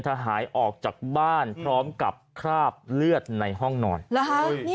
ถ้าหายออกจากบ้านพร้อมกับคราบเลือดในห้องนอนแล้วฮะ